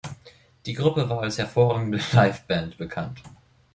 Die Gruppe war als hervorragende Live-Band bekannt.